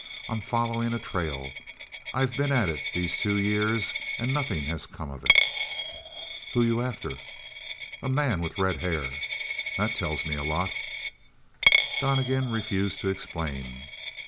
"I'm following a trail. I've been at it these two years and nothing has come of it." "Who you after?" "A man with red hair." "That tells me a lot." Donnegan refused to explain.